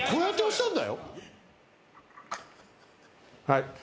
はい。